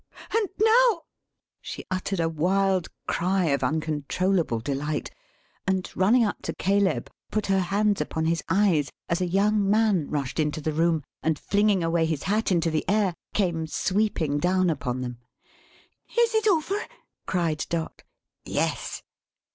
and now!" She uttered a wild cry of uncontrollable delight; and running up to Caleb put her hands upon his eyes, as a young man rushed into the room, and flinging away his hat into the air, came sweeping down upon them. "Is it over?" cried Dot. "Yes!"